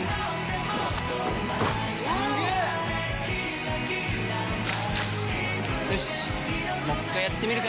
すげー‼よしっもう一回やってみるか！